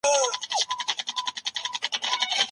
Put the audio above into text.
سياستوال بايد د ټولنې له رواجونو خبر وي.